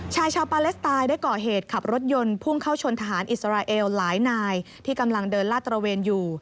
ชายชาวปาเลสไตน์ได้ก่อเหตุขับรถยนต์พุ่งเข้าชนทหารอิสราเอลหลายนายที่กำลังเดินลาดตระเวนอยู่